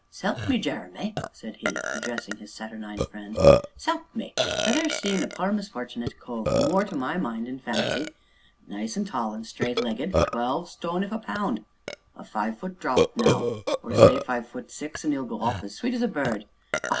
"S'elp me, Jeremy!" said he, addressing his saturnine friend, "s'elp me, if I ever see a pore misfort'nate cove more to my mind an' fancy nice an' tall an' straight legged twelve stone if a pound a five foot drop now or say five foot six, an' 'e'll go off as sweet as a bird; ah!